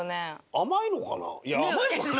甘いのかな？